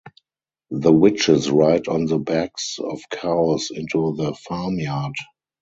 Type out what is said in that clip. The witches ride on the backs of cows into the farmyard.